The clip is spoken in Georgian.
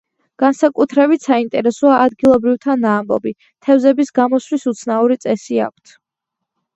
განსაკუთრებით საინტერესოა ადგილობრივთა ნაამბობი: თევზების გამოსვლის უცნაური წესი აქვთ.